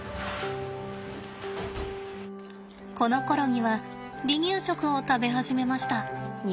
このころには離乳食を食べ始めました。